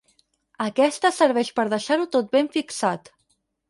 Aquesta serveix per deixar-ho tot ben fixat.